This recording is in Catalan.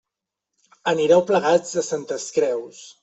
Anireu plegats a Santes Creus.